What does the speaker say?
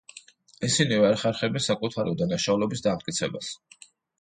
ისინი ვერ ახერხებენ საკუთარი უდანაშაულობის დამტკიცებას.